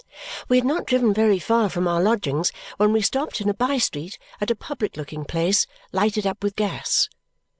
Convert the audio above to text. We had not driven very far from our lodgings when we stopped in a by street at a public looking place lighted up with gas.